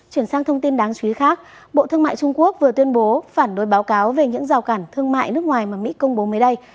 chuyển sang thông tin đáng chú ý khác bộ thương mại trung quốc vừa tuyên bố phản đối báo cáo về những rào cản thương mại nước ngoài mà mỹ công bố mới đây